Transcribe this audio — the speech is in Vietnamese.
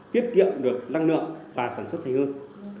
tiếp kiệm được năng lượng và sản xuất xây hương